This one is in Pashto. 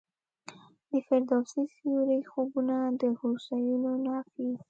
د فردوسي سیورو خوبونه د هوسیو نافي